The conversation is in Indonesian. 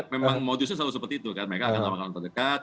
memang modusnya selalu seperti itu kan mereka akan orang orang terdekat